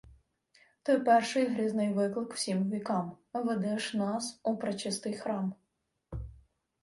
Ти – перший грізний виклик Всім вікам, Ведеш нас у пречистий храм.